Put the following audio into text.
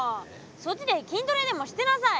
そっちで筋トレでもしてなさい！